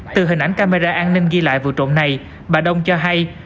từ hình ảnh camera an ninh ghi lại vụ trộm này bà đông cho hay